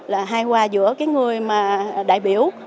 là hài hòa giữa cái người mà đại biểu